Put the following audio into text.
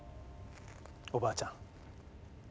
おばあちゃん。